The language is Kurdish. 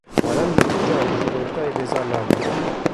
Alan jî ti carî ji Rojdayê bêzar nabe.